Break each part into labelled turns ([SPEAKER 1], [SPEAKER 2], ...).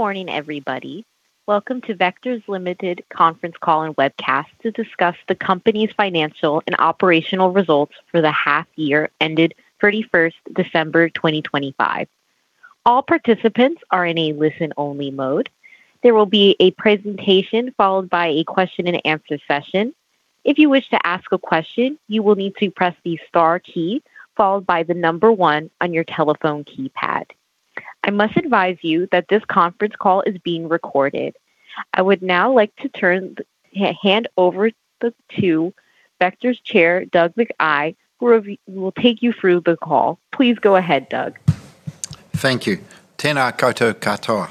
[SPEAKER 1] Good morning, everybody. Welcome to Vector Limited's conference call and webcast to discuss the company's financial and operational results for the half year ended 31 December 2025. All participants are in a listen-only mode. There will be a presentation, followed by a question-and-answer session. If you wish to ask a question, you will need to press the star key, followed by the number one on your telephone keypad. I must advise you that this conference call is being recorded. I would now like to hand over to Vector's Chair, Doug McKay, who will take you through the call. Please go ahead, Doug.
[SPEAKER 2] Thank you. Tēnā koutou katoa.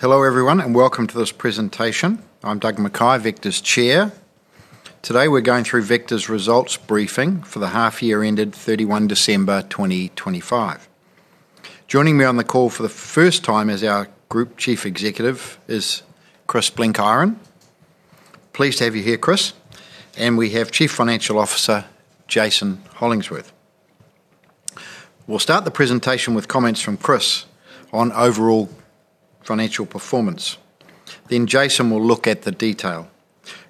[SPEAKER 2] Hello, everyone, and welcome to this presentation. I'm Doug McKay, Vector's Chair. Today, we're going through Vector's results briefing for the half year ended 31 December 2025. Joining me on the call for the first time as our Group Chief Executive is Chris Blenkiron. Pleased to have you here, Chris. We have Chief Financial Officer Jason Hollingworth. We'll start the presentation with comments from Chris on overall financial performance, then Jason will look at the detail.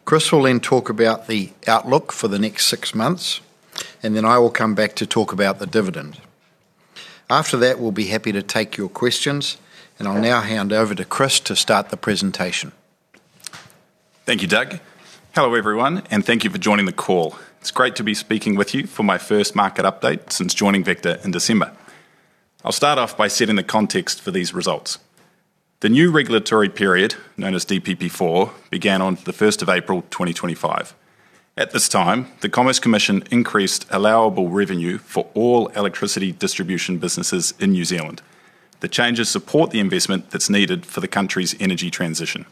[SPEAKER 2] Chris will then talk about the outlook for the next six months, and then I will come back to talk about the dividend. After that, we'll be happy to take your questions, and I'll now hand over to Chris to start the presentation
[SPEAKER 3] Thank you, Doug. Hello, everyone, and thank you for joining the call. It's great to be speaking with you for my first market update since joining Vector in December. I'll start off by setting the context for these results. The new regulatory period, known as DPP4, began on the first of April 2025. At this time, the Commerce Commission increased allowable revenue for all electricity distribution businesses in New Zealand. The changes support the investment that's needed for the country's energy transition.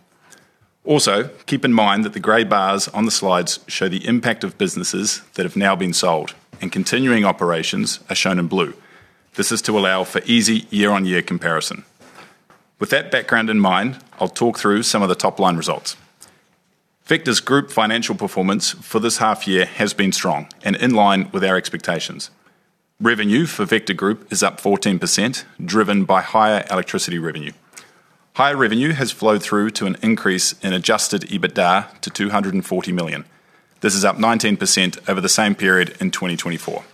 [SPEAKER 3] Also, keep in mind that the gray bars on the slides show the impact of businesses that have now been sold, and continuing operations are shown in blue. This is to allow for easy year-on-year comparison. With that background in mind, I'll talk through some of the top-line results. Vector's group financial performance for this half year has been strong and in line with our expectations. Revenue for Vector Group is up 14%, driven by higher electricity revenue. Higher revenue has flowed through to an increase in Adjusted EBITDA to 240 million. This is up 19% over the same period in 2024.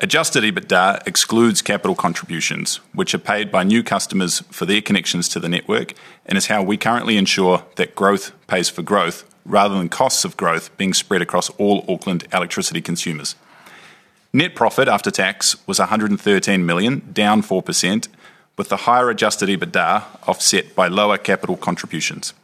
[SPEAKER 3] Adjusted EBITDA excludes capital contributions, which are paid by new customers for their connections to the network, and is how we currently ensure that growth pays for growth rather than costs of growth being spread across all Auckland electricity consumers. Net profit after tax was 113 million, down 4%, with the higher Adjusted EBITDA offset by lower capital contributions.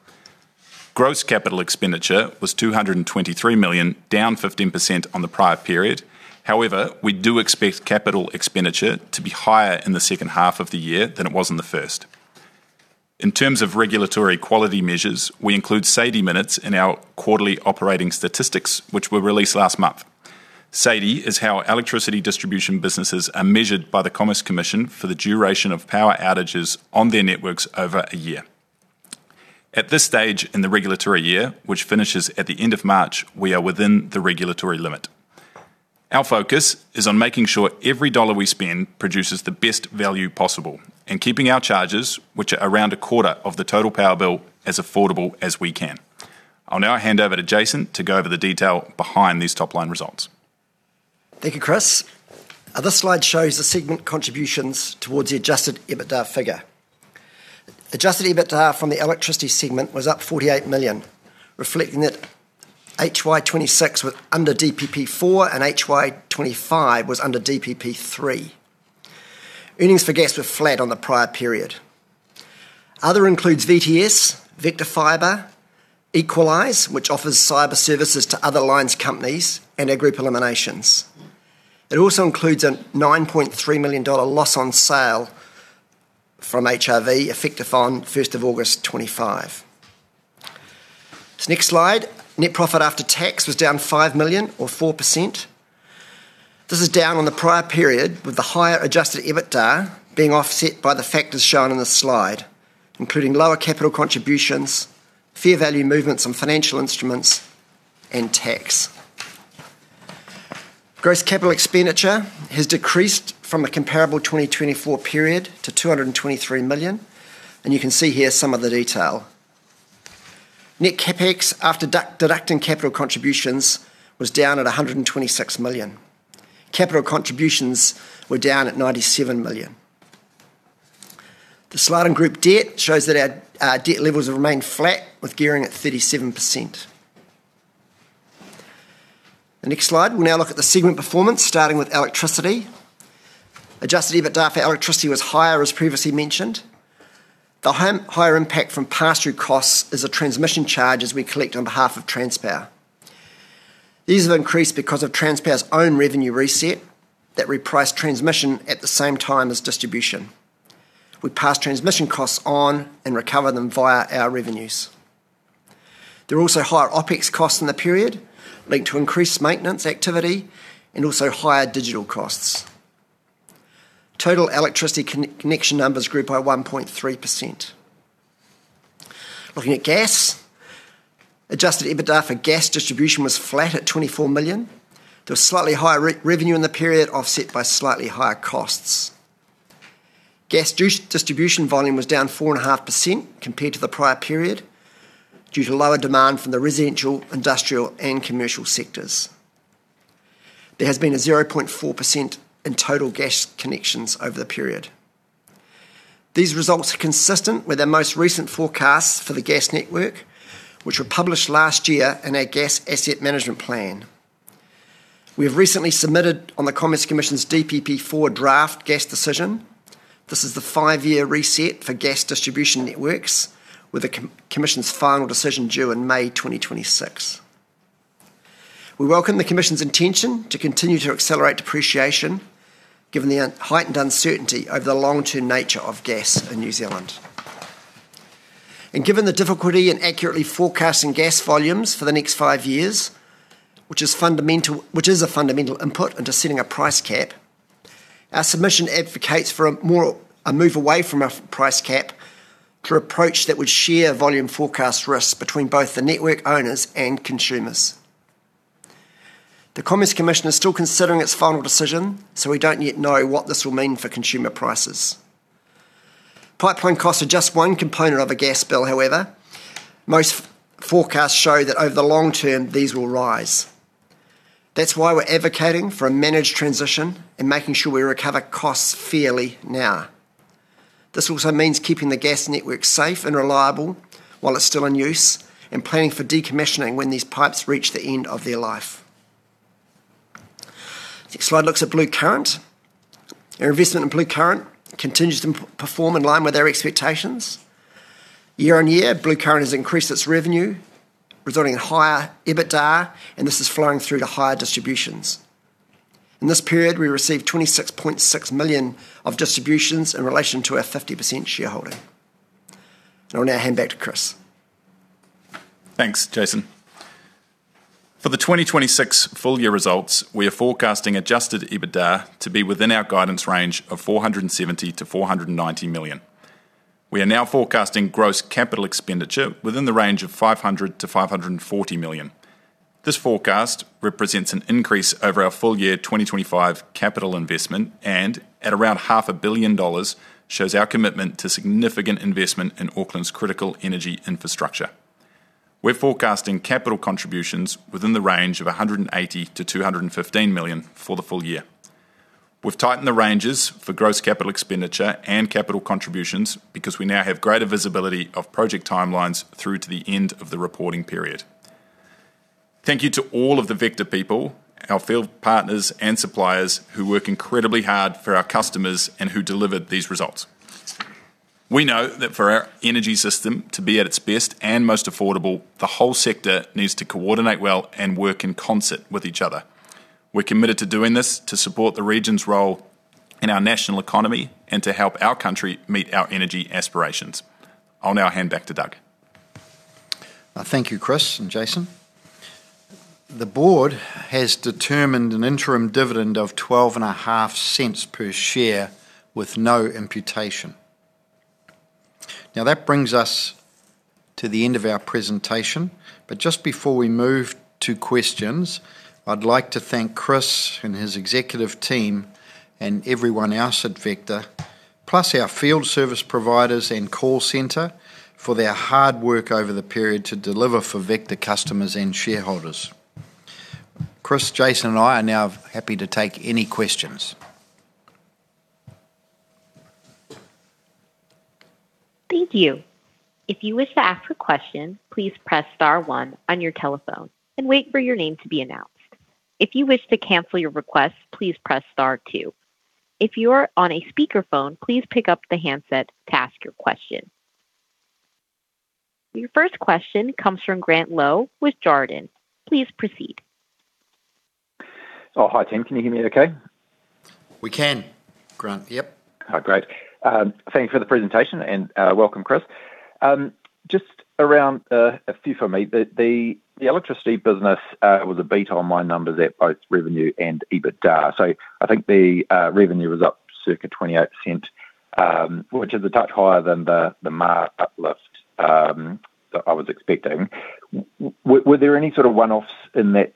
[SPEAKER 3] Gross capital expenditure was 223 million, down 15% on the prior period. However, we do expect capital expenditure to be higher in the second half of the year than it was in the first. In terms of regulatory quality measures, we include SAIDI minutes in our quarterly operating statistics, which were released last month. SAIDI is how electricity distribution businesses are measured by the Commerce Commission for the duration of power outages on their networks over a year. At this stage in the regulatory year, which finishes at the end of March, we are within the regulatory limit. Our focus is on making sure every dollar we spend produces the best value possible, and keeping our charges, which are around a quarter of the total power bill, as affordable as we can. I'll now hand over to Jason to go over the detail behind these top-line results.
[SPEAKER 4] Thank you, Chris. This slide shows the segment contributions towards the adjusted EBITDA figure. Adjusted EBITDA from the electricity segment was up 48 million, reflecting that HY26 was under DPP4 and HY25 was under DPP3. Earnings for gas were flat on the prior period. Other includes VTS, Vector Fibre, Equalise, which offers cyber services to other lines companies, and our group eliminations. It also includes a 9.3 million dollar loss on sale from HRV, effective on first of August 2025. This next slide, net profit after tax was down 5 million or 4%. This is down on the prior period, with the higher adjusted EBITDA being offset by the factors shown on this slide, including lower capital contributions, fair value movements on financial instruments, and tax. Gross capital expenditure has decreased from the comparable 2024 period to 223 million, and you can see here some of the detail. Net CapEx, after deducting capital contributions, was down at 126 million. Capital contributions were down at 97 million. The slide on group debt shows that our debt levels have remained flat, with gearing at 37%. The next slide, we now look at the segment performance, starting with electricity. Adjusted EBITDA for electricity was higher, as previously mentioned. The higher impact from pass-through costs is a transmission charge as we collect on behalf of Transpower. These have increased because of Transpower's own revenue reset that repriced transmission at the same time as distribution. We pass transmission costs on and recover them via our revenues. There are also higher OpEx costs in the period, linked to increased maintenance activity and also higher digital costs. Total electricity connection numbers grew by 1.3%. Looking at gas, adjusted EBITDA for gas distribution was flat at 24 million. There was slightly higher revenue in the period, offset by slightly higher costs. Gas distribution volume was down 4.5% compared to the prior period, due to lower demand from the residential, industrial, and commercial sectors. There has been a 0.4% in total gas connections over the period. These results are consistent with our most recent forecasts for the gas network, which were published last year in our Gas Asset Management Plan. We have recently submitted on the Commerce Commission's DPP4 Draft Gas Decision. This is the five-year reset for gas distribution networks, with the Commerce Commission's final decision due in May 2026. We welcome the Commerce Commission's intention to continue to accelerate depreciation, given the heightened uncertainty over the long-term nature of gas in New Zealand. Given the difficulty in accurately forecasting gas volumes for the next five years, which is a fundamental input into setting a price cap, our submission advocates for a move away from a price cap to approach that would share volume forecast risks between both the network owners and consumers. The Commerce Commission is still considering its final decision, so we don't yet know what this will mean for consumer prices. Pipeline costs are just one component of a gas bill, however. Most forecasts show that over the long term, these will rise. That's why we're advocating for a managed transition and making sure we recover costs fairly now. This also means keeping the gas network safe and reliable while it's still in use, and planning for decommissioning when these pipes reach the end of their life. Next slide looks at Bluecurrent. Our investment in Bluecurrent continues to outperform in line with our expectations. Year-on-year, Bluecurrent has increased its revenue, resulting in higher EBITDA, and this is flowing through to higher distributions. In this period, we received 26.6 million of distributions in relation to our 50% shareholding. I'll now hand back to Chris.
[SPEAKER 3] Thanks, Jason. For the 2026 full year results, we are forecasting Adjusted EBITDA to be within our guidance range of 470 million-490 million. We are now forecasting gross capital expenditure within the range of 500 million-540 million. This forecast represents an increase over our full year 2025 capital investment, and at around 500 million dollars, shows our commitment to significant investment in Auckland's critical energy infrastructure. We're forecasting capital contributions within the range of 180 million-215 million for the full year. We've tightened the ranges for gross capital expenditure and capital contributions because we now have greater visibility of project timelines through to the end of the reporting period. Thank you to all of the Vector people, our field partners and suppliers, who work incredibly hard for our customers and who delivered these results. We know that for our energy system to be at its best and most affordable, the whole sector needs to coordinate well and work in concert with each other. We're committed to doing this to support the region's role in our national economy and to help our country meet our energy aspirations. I'll now hand back to Doug.
[SPEAKER 2] Thank you, Chris and Jason. The board has determined an interim dividend of 0.125 per share with no imputation. Now, that brings us to the end of our presentation, but just before we move to questions, I'd like to thank Chris and his executive team, and everyone else at Vector, plus our field service providers and call center, for their hard work over the period to deliver for Vector customers and shareholders. Chris, Jason, and I are now happy to take any questions.
[SPEAKER 1] Thank you. If you wish to ask a question, please press star one on your telephone and wait for your name to be announced. If you wish to cancel your request, please press star two. If you are on a speakerphone, please pick up the handset to ask your question. Your first question comes from Grant Lowe with Jarden. Please proceed.
[SPEAKER 5] Oh, hi, team. Can you hear me okay?
[SPEAKER 4] We can, Grant. Yep.
[SPEAKER 5] Oh, great. Thank you for the presentation and, welcome, Chris. Just around, a few for me, the electricity business was a beat on my numbers at both revenue and EBITDA, so I think the revenue was up circa 28%, which is a touch higher than the mark uplift that I was expecting. Were there any sort of one-offs in that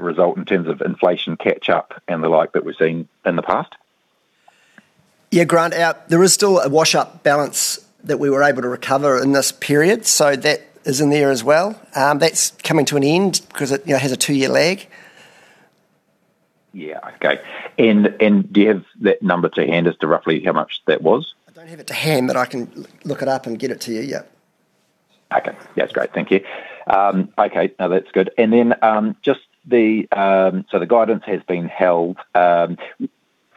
[SPEAKER 5] result in terms of inflation catch-up and the like that we've seen in the past?
[SPEAKER 4] Yeah, Grant, there is still a wash-up balance that we were able to recover in this period, so that is in there as well. That's coming to an end 'cause it, you know, has a two-year lag.
[SPEAKER 5] Yeah. Okay. And do you have that number to hand as to roughly how much that was?
[SPEAKER 4] I don't have it to hand, but I can look it up and get it to you, yeah.
[SPEAKER 5] Okay. That's great, thank you. Okay, now that's good. And then, just the... So the guidance has been held,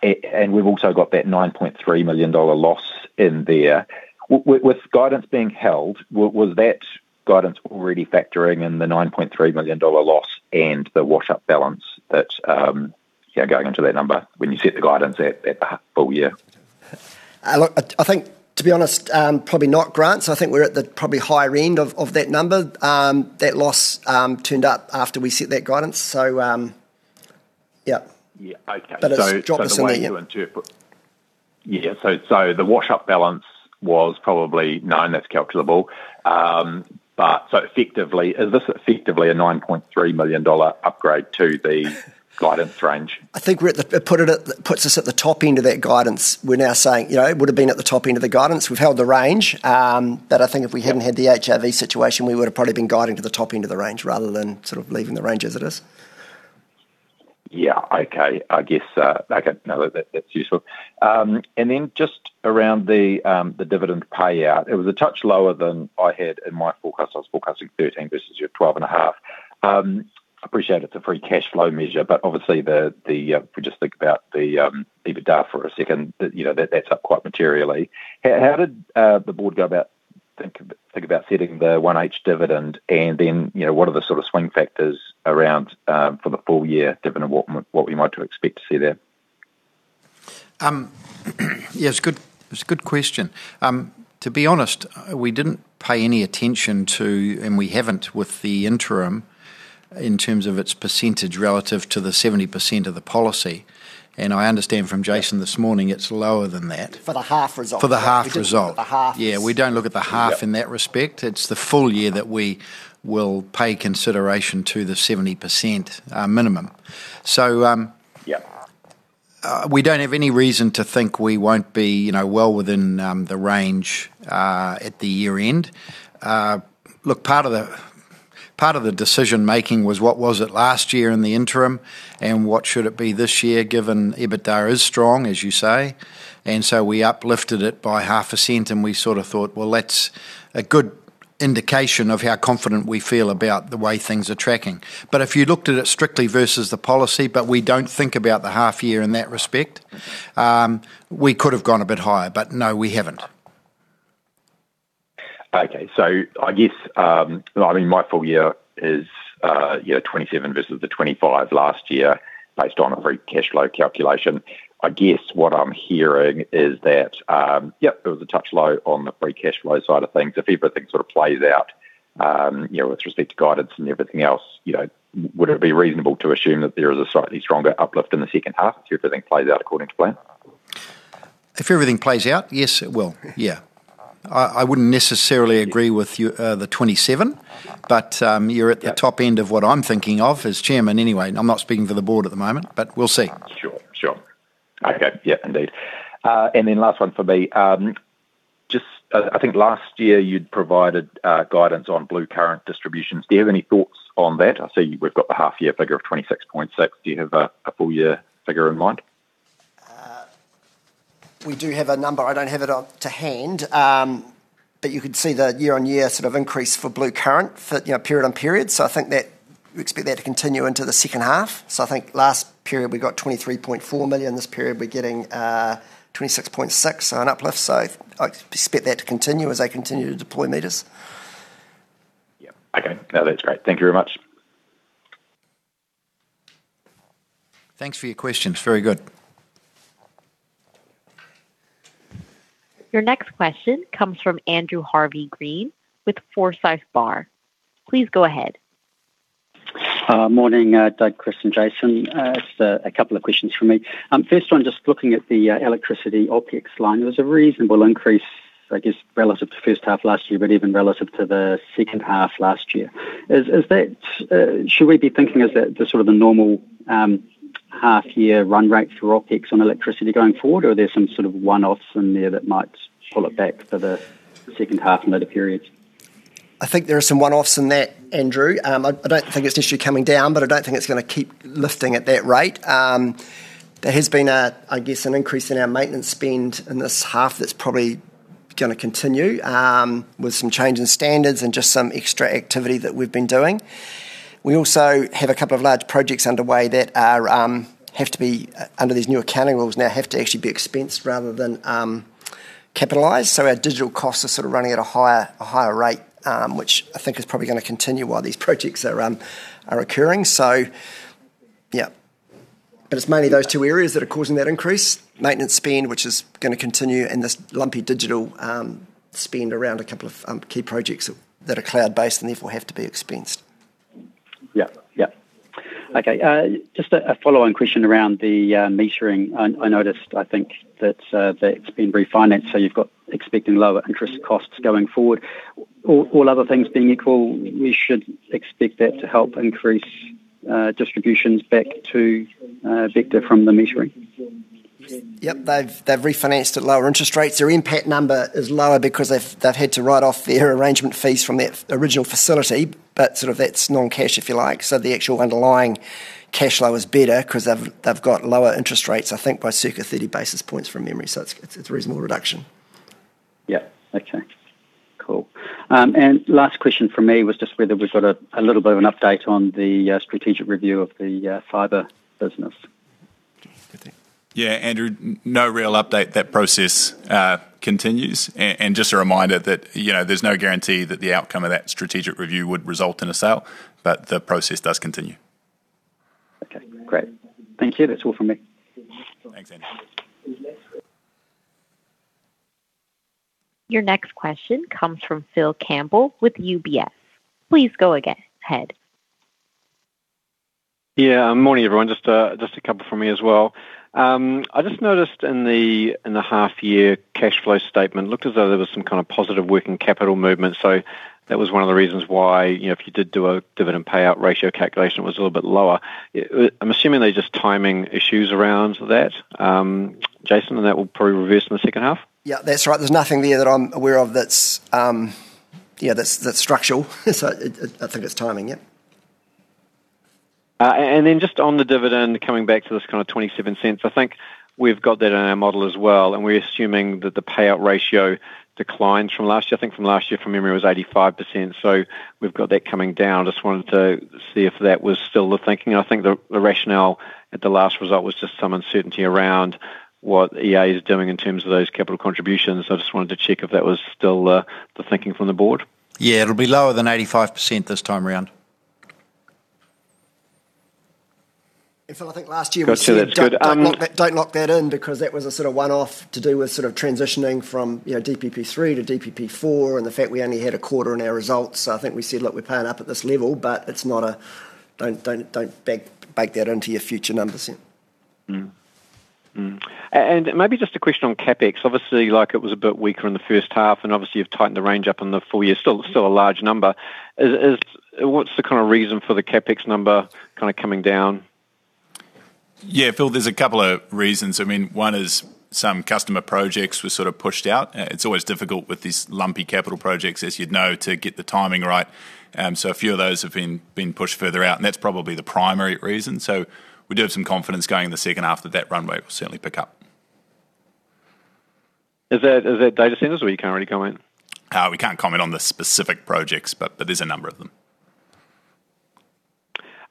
[SPEAKER 5] and we've also got that 9.3 million dollar loss in there. With guidance being held, was that guidance already factoring in the 9.3 million dollar loss and the wash-up balance that, yeah, going into that number when you set the guidance at, at the full year?
[SPEAKER 4] Look, I think to be honest, probably not, Grant, so I think we're at the probably higher end of that number. That loss turned up after we set that guidance, so... Yep.
[SPEAKER 5] Yeah, okay.
[SPEAKER 4] But it's drop this in there, yeah.
[SPEAKER 5] Yeah, so the wash-up balance was probably 9, that's calculable. But effectively, is this effectively a 9.3 million dollar upgrade to the guidance range?
[SPEAKER 4] I think we're at the top end of that guidance. It puts us at the top end of that guidance. We're now saying, you know, it would have been at the top end of the guidance. We've held the range, but I think if we hadn't had the HRV situation, we would have probably been guiding to the top end of the range rather than sort of leaving the range as it is.
[SPEAKER 5] Yeah, okay. I guess, okay, no, that's useful. And then just around the dividend payout, it was a touch lower than I had in my forecast. I was forecasting 13 versus your 12.5. Appreciate it's a free cash flow measure, but obviously, if we just think about the EBITDA for a second, you know, that's up quite materially. How did the board go about thinking about setting the 1H dividend, and then, you know, what are the sort of swing factors around for the full year, given what we might expect to see there?
[SPEAKER 2] Yeah, it's good, it's a good question. To be honest, we didn't pay any attention to, and we haven't with the interim, in terms of its percentage relative to the 70% of the policy. And I understand from Jason this morning, it's lower than that.
[SPEAKER 4] For the half result.
[SPEAKER 2] For the half result.
[SPEAKER 4] The half-
[SPEAKER 2] Yeah, we don't look at the half-
[SPEAKER 4] Yeah
[SPEAKER 2] -in that respect. It's the full year that we will pay consideration to the 70% minimum. So,-
[SPEAKER 5] Yeah
[SPEAKER 2] -we don't have any reason to think we won't be, you know, well within the range at the year end. Look, part of the, part of the decision-making was what was it last year in the interim, and what should it be this year, given EBITDA is strong, as you say. And so we uplifted it by NZD 0.005, and we sort of thought, well, that's a good indication of how confident we feel about the way things are tracking. But if you looked at it strictly versus the policy, but we don't think about the half year in that respect, we could have gone a bit higher, but no, we haven't.
[SPEAKER 5] Okay. So I guess, I mean, my full year is, you know, 27 versus the 25 last year, based on a free cash flow calculation. I guess what I'm hearing is that, yep, it was a touch low on the free cash flow side of things. If everything sort of plays out, you know, with respect to guidance and everything else, you know, would it be reasonable to assume that there is a slightly stronger uplift in the second half, if everything plays out according to plan?
[SPEAKER 2] If everything plays out, yes, it will. Yeah. I wouldn't necessarily agree with you, the 27, but you're at the top end of what I'm thinking of as chairman anyway. I'm not speaking for the board at the moment, but we'll see.
[SPEAKER 5] Sure. Sure. Okay, yeah, indeed. And then last one for me. Just, I think last year you'd provided guidance on Bluecurrent distributions. Do you have any thoughts on that? I see we've got the half year figure of 26.6. Do you have a full year figure in mind?
[SPEAKER 4] We do have a number. I don't have it on hand, but you could see the year-on-year sort of increase for Bluecurrent, for, you know, period-on-period. So I think that we expect that to continue into the second half. So I think last period, we got 23.4 million. This period, we're getting 26.6 million, so an uplift. So I expect that to continue as they continue to deploy meters.
[SPEAKER 5] Yeah. Okay. No, that's great. Thank you very much.
[SPEAKER 2] Thanks for your questions. Very good.
[SPEAKER 1] Your next question comes from Andrew Harvey-Green with Forsyth Barr. Please go ahead.
[SPEAKER 6] Morning, Doug, Chris, and Jason. Just a couple of questions from me. First one, just looking at the electricity OpEx line, there was a reasonable increase, I guess, relative to first half last year, but even relative to the second half last year. Is that should we be thinking, is that the sort of the normal half year run rate for OpEx on electricity going forward, or are there some sort of one-offs in there that might pull it back for the second half and later periods?
[SPEAKER 4] I think there are some one-offs in that, Andrew. I don't think it's necessarily coming down, but I don't think it's gonna keep lifting at that rate. There has been, I guess, an increase in our maintenance spend in this half that's probably gonna continue, with some change in standards and just some extra activity that we've been doing. We also have a couple of large projects underway that have to be, under these new accounting rules, now have to actually be expensed rather than capitalized. So our digital costs are sort of running at a higher rate, which I think is probably gonna continue while these projects are occurring. So, yeah. But it's mainly those two areas that are causing that increase. Maintenance spend, which is gonna continue, and this lumpy digital spend around a couple of key projects that are cloud-based and therefore have to be expensed.
[SPEAKER 6] Yep. Yep. Okay, just a follow-on question around the metering. I noticed, I think, that that's been refinanced, so you've got expecting lower interest costs going forward. All other things being equal, we should expect that to help increase distributions back to Vector from the metering.
[SPEAKER 4] Yep, they've refinanced at lower interest rates. Their impact number is lower because they've had to write off their arrangement fees from that original facility, but sort of that's non-cash, if you like. So the actual underlying cash flow is better 'cause they've got lower interest rates, I think, by circa 30 basis points from memory, so it's a reasonable reduction.
[SPEAKER 6] Yep. Okay, cool. Last question from me was just whether we've got a little bit of an update on the strategic review of the fibre business.
[SPEAKER 2] Good thing.
[SPEAKER 3] Yeah, Andrew, no real update. That process continues. And just a reminder that, you know, there's no guarantee that the outcome of that strategic review would result in a sale, but the process does continue.
[SPEAKER 6] Okay, great. Thank you. That's all from me.
[SPEAKER 3] Thanks, Andrew.
[SPEAKER 1] Your next question comes from Phil Campbell with UBS. Please go ahead.
[SPEAKER 7] Yeah, morning, everyone. Just, just a couple from me as well. I just noticed in the half year cash flow statement, looked as though there was some kind of positive working capital movement. So that was one of the reasons why, you know, if you did do a dividend payout ratio calculation, it was a little bit lower. I'm assuming there's just timing issues around that, Jason, and that will probably reverse in the second half?
[SPEAKER 4] Yeah, that's right. There's nothing there that I'm aware of that's, yeah, that's structural. So I think it's timing, yeah.
[SPEAKER 7] And then just on the dividend, coming back to this kind of 0.27, I think we've got that in our model as well, and we're assuming that the payout ratio declines from last year. I think from last year, from memory, it was 85%, so we've got that coming down. Just wanted to see if that was still the thinking. I think the rationale at the last result was just some uncertainty around what EA is doing in terms of those capital contributions. I just wanted to check if that was still the thinking from the board.
[SPEAKER 2] Yeah, it'll be lower than 85% this time around.
[SPEAKER 4] Phil, I think last year-
[SPEAKER 7] Got you. That's good.
[SPEAKER 4] Don't lock that in because that was a sort of one-off to do with sort of transitioning from, you know, DPP3 to DPP4, and the fact we only had a quarter in our results. So I think we said, "Look, we're paying up at this level," but it's not a... Don't backbake that into your future numbers then.
[SPEAKER 7] Mm-hmm. Mm. And maybe just a question on CapEx. Obviously, like, it was a bit weaker in the first half, and obviously you've tightened the range up in the full year, still, still a large number. Is... What's the kind of reason for the CapEx number kind of coming down?
[SPEAKER 3] Yeah, Phil, there's a couple of reasons. I mean, one is some customer projects were sort of pushed out. It's always difficult with these lumpy capital projects, as you'd know, to get the timing right. So a few of those have been pushed further out, and that's probably the primary reason. So we do have some confidence going in the second half that that runway will certainly pick up.
[SPEAKER 7] Is that, is that data centers or you can't really comment?
[SPEAKER 3] We can't comment on the specific projects, but there's a number of them.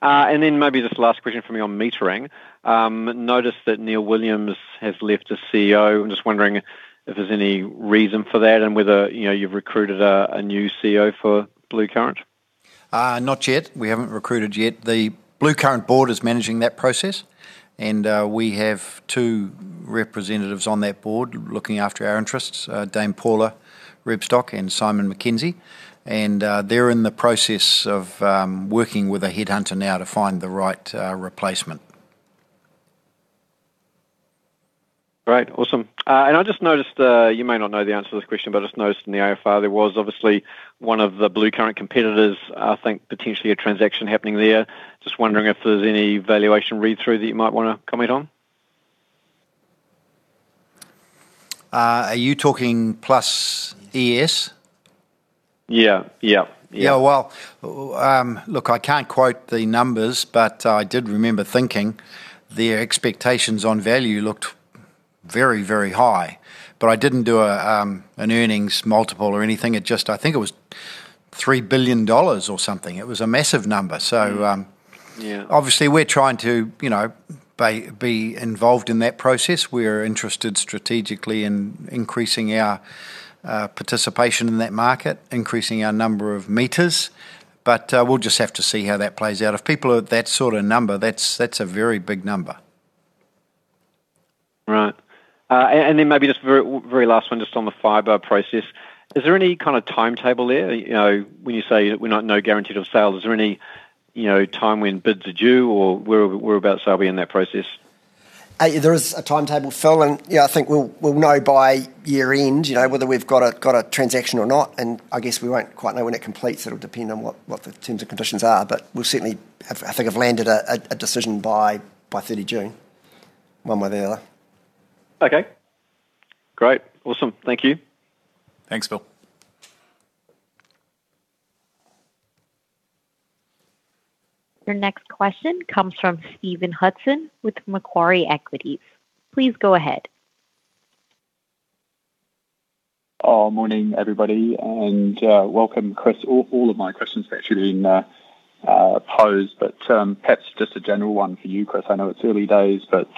[SPEAKER 7] And then maybe this last question for me on metering. Noticed that Neil Williams has left as CEO. I'm just wondering if there's any reason for that and whether, you know, you've recruited a new CEO for Bluecurrent?
[SPEAKER 2] Not yet. We haven't recruited yet. The Bluecurrent board is managing that process, and we have two representatives on that board looking after our interests, Dame Paula Rebstock and Simon McKenzie. They're in the process of working with a headhunter now to find the right replacement.
[SPEAKER 7] Great. Awesome. I just noticed, you may not know the answer to this question, but I just noticed in the IFR, there was obviously one of the Bluecurrent competitors, I think, potentially a transaction happening there. Just wondering if there's any valuation read-through that you might wanna comment on.
[SPEAKER 2] Are you talking Plus ES?
[SPEAKER 7] Yeah. Yeah. Yeah.
[SPEAKER 2] Yeah, well, look, I can't quote the numbers, but I did remember thinking their expectations on value looked very, very high, but I didn't do a, an earnings multiple or anything. It just... I think it was 3 billion dollars or something. It was a massive number.
[SPEAKER 7] Mm.
[SPEAKER 2] So, um-
[SPEAKER 7] Yeah.
[SPEAKER 2] Obviously, we're trying to, you know, be involved in that process. We're interested strategically in increasing our participation in that market, increasing our number of meters, but we'll just have to see how that plays out. If people are at that sort of number, that's a very big number.
[SPEAKER 7] Right. And then maybe just very, very last one, just on the Fibre process. Is there any kind of timetable there? You know, when you say we're not no guaranteed of sales, is there any, you know, time when bids are due or where about are we in that process?
[SPEAKER 4] There is a timetable, Phil, and, yeah, I think we'll know by year end, you know, whether we've got a transaction or not, and I guess we won't quite know when it completes. It'll depend on what the terms and conditions are, but we'll certainly have, I think, landed a decision by 30 June, one way or the other.
[SPEAKER 7] Okay. Great. Awesome. Thank you.
[SPEAKER 3] Thanks, Phil.
[SPEAKER 1] Your next question comes from Stephen Hudson with Macquarie Equities. Please go ahead.
[SPEAKER 8] Oh, morning, everybody, and welcome, Chris. All of my questions have actually been posed, but perhaps just a general one for you, Chris. I know it's early days, but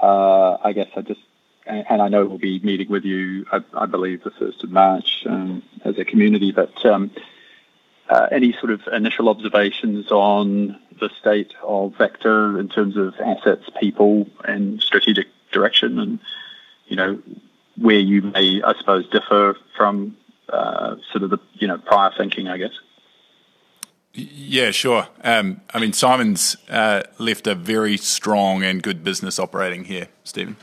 [SPEAKER 8] I guess I just... And I know we'll be meeting with you, I believe, the first of March, as a community, but any sort of initial observations on the state of Vector in terms of assets, people, and strategic direction, and you know, where you may, I suppose, differ from sort of the prior thinking, I guess?
[SPEAKER 3] Yeah, sure. I mean, Simon's left a very strong and good business operating here, Stephen.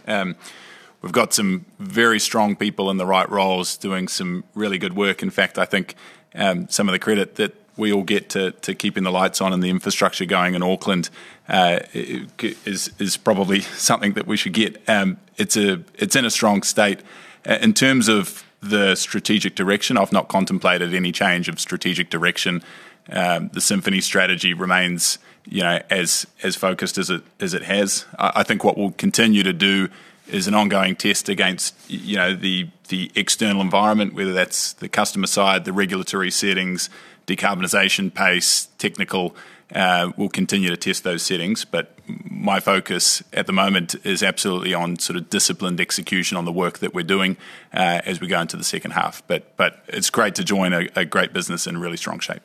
[SPEAKER 3] We've got some very strong people in the right roles doing some really good work. In fact, I think some of the credit that we all get to keeping the lights on and the infrastructure going in Auckland is probably something that we should get. It's in a strong state. In terms of the strategic direction, I've not contemplated any change of strategic direction. The Symphony strategy remains, you know, as focused as it has. I think what we'll continue to do is an ongoing test against, you know, the external environment, whether that's the customer side, the regulatory settings, decarbonization pace, technical, we'll continue to test those settings. But my focus at the moment is absolutely on sort of disciplined execution on the work that we're doing, as we go into the second half. But it's great to join a great business in really strong shape.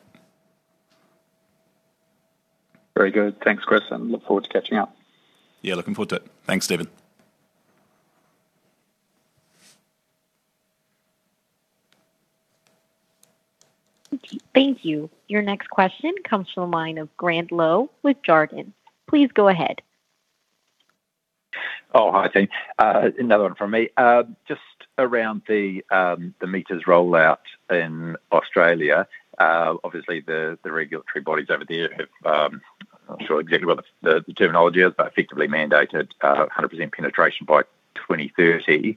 [SPEAKER 8] Very good. Thanks, Chris, and look forward to catching up.
[SPEAKER 3] Yeah, looking forward to it. Thanks, Stephen.
[SPEAKER 1] Thank you. Your next question comes from the line of Grant Lowe with Jarden. Please go ahead.
[SPEAKER 5] Oh, hi, team. Another one from me. Just around the meters rollout in Australia, obviously, the regulatory bodies over there have, not sure exactly what the terminology is, but effectively mandated 100% penetration by 2030. Is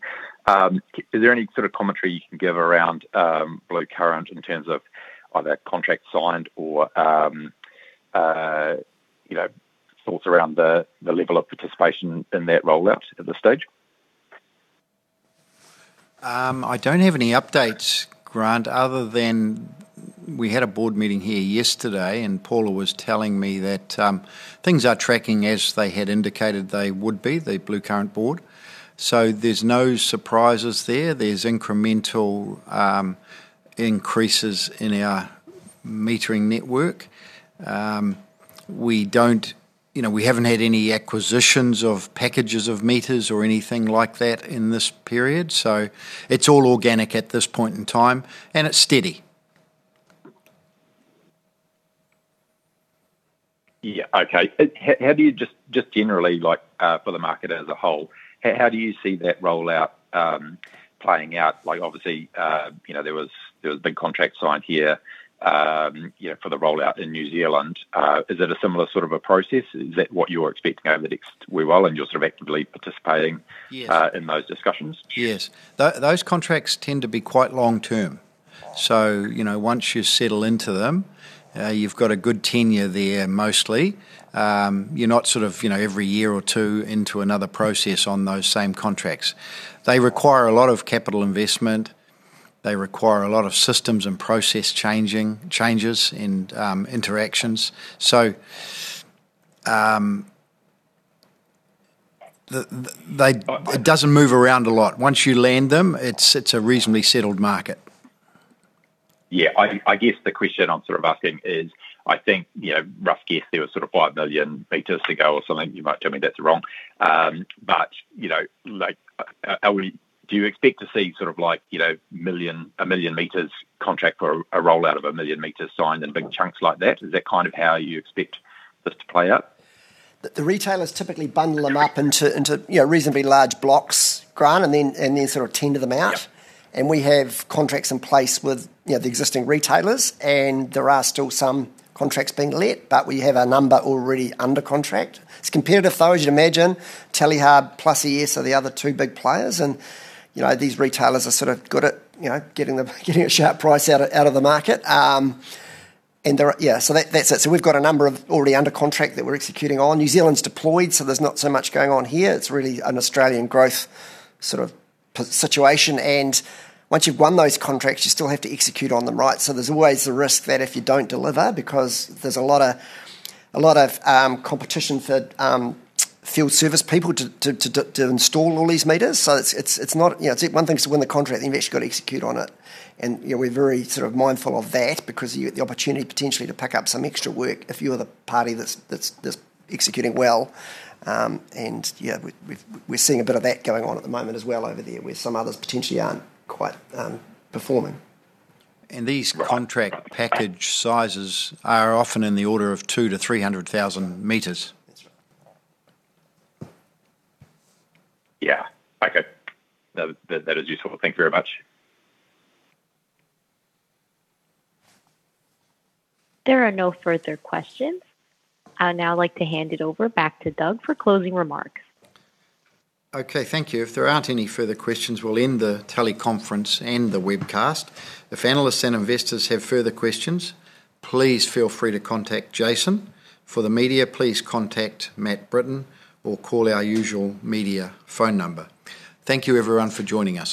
[SPEAKER 5] there any sort of commentary you can give around Bluecurrent in terms of either contract signed or, you know, thoughts around the level of participation in that rollout at this stage?
[SPEAKER 2] I don't have any updates, Grant, other than we had a board meeting here yesterday, and Paula was telling me that things are tracking as they had indicated they would be, the Bluecurrent board. So there's no surprises there. There's incremental increases in our metering network. We don't, you know, we haven't had any acquisitions of packages of meters or anything like that in this period, so it's all organic at this point in time, and it's steady.
[SPEAKER 5] Yeah, okay. How do you just generally, like, for the market as a whole, how do you see that rollout playing out? Like, obviously, you know, there was a big contract signed here, you know, for the rollout in New Zealand. Is it a similar sort of a process? Is that what you're expecting over the next wee while, and you're sort of actively participating-
[SPEAKER 2] Yes.
[SPEAKER 5] in those discussions?
[SPEAKER 2] Yes. Those contracts tend to be quite long term. So, you know, once you settle into them, you've got a good tenure there mostly. You're not sort of, you know, every year or two into another process on those same contracts. They require a lot of capital investment. They require a lot of systems and process changing, changes and interactions. So, they, it doesn't move around a lot. Once you land them, it's a reasonably settled market.
[SPEAKER 5] Yeah. I guess the question I'm sort of asking is, I think, you know, rough guess, there was sort of 5 million meters to go or something. You might tell me that's wrong. But, you know, like, how many... Do you expect to see sort of like, you know, million, a 1 million meters contract for a, a rollout of a 1 million meters signed in big chunks like that? Is that kind of how you expect this to play out?
[SPEAKER 4] The retailers typically bundle them up into, you know, reasonably large blocks, Grant, and then sort of tender them out.
[SPEAKER 5] Yeah.
[SPEAKER 4] We have contracts in place with, you know, the existing retailers, and there are still some contracts being let, but we have a number already under contract. It's competitive, though, as you'd imagine. Telstra, Plus ES are the other two big players, and, you know, these retailers are sort of good at, you know, getting the, getting a sharp price out of, out of the market. So that's it. So we've got a number of already under contract that we're executing on. New Zealand's deployed, so there's not so much going on here. It's really an Australian growth sort of situation, and once you've won those contracts, you still have to execute on them, right? So there's always the risk that if you don't deliver, because there's a lot of competition for field service people to install all these meters. So it's not... You know, it's one thing is to win the contract, then you've actually got to execute on it. And, you know, we're very sort of mindful of that because you, the opportunity potentially to pick up some extra work if you're the party that's executing well. And, yeah, we're seeing a bit of that going on at the moment as well over there, where some others potentially aren't quite performing.
[SPEAKER 2] These contract package sizes are often in the order of 200,000-300,000 m.
[SPEAKER 4] That's right.
[SPEAKER 5] Yeah. Okay. That is useful. Thank you very much.
[SPEAKER 1] There are no further questions. I'd now like to hand it over back to Doug for closing remarks.
[SPEAKER 2] Okay, thank you. If there aren't any further questions, we'll end the teleconference and the webcast. If analysts and investors have further questions, please feel free to contact Jason. For the media, please contact Matt Britton, or call our usual media phone number. Thank you, everyone, for joining us.